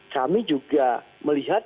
kami juga melihat